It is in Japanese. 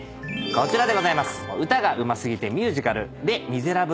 こちらでございます。